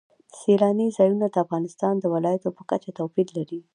سیلانی ځایونه د افغانستان د ولایاتو په کچه توپیر لري.